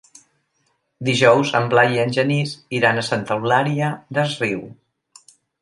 Dijous en Blai i en Genís iran a Santa Eulària des Riu.